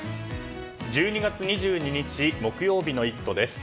１２月２２日木曜日の「イット！」です。